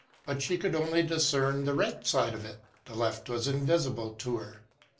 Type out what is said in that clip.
But she could only discern the right side of it ; the left was invisible to her.